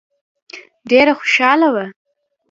ډېره خوشاله وه.